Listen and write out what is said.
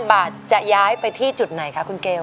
บาทจะย้ายไปที่จุดไหนคะคุณเกล